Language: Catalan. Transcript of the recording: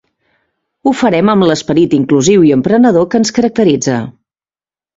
Ho farem amb l'esperit inclusiu i emprenedor que ens caracteritza.